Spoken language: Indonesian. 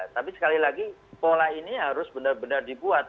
tapi sekali lagi pola ini harus benar benar dibuat